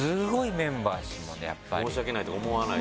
申し訳ないとか思わない。